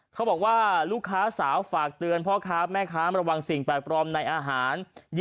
เขาบอกว่าลูกค้าสาวฝากเตือนพ่อค้าแม่ค้าระวังสิ่งแปลกปลอมในอาหาร